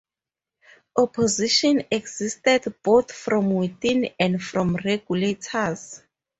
Opposition existed both from within and from regulators.